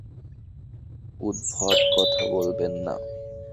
উদ্ভট কথা বলবেন না।